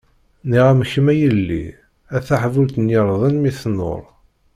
Nniɣ-am, kemm a yelli, a taḥbult n yirden mi tnuṛ.